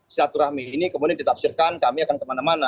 silaturahmi ini kemudian ditafsirkan kami akan kemana mana